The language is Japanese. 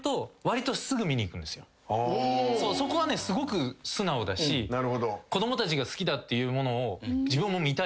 そこはねすごく素直だし子供たちが好きだっていうものを自分も見たい。